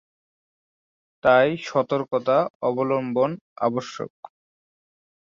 তাই সতর্কতা অবলম্বন আবশ্যক।